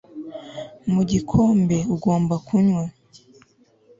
Mu gikombe ugomba kunywa